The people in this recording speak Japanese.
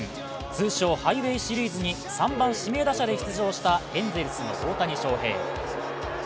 通称、ハイウェイ・シリーズに３番・指名打者で出場したエンゼルスの大谷翔平。